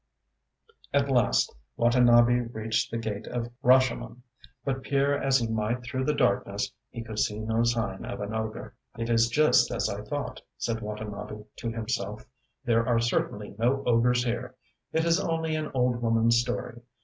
At last Watanabe reached the Gate of Rashomon, but peer as he might through the darkness he could see no sign of an ogre. ŌĆ£It is just as I thought, ŌĆØ said Watanabe to himself; ŌĆ£there are certainly no ogres here; it is only an old womanŌĆÖs story.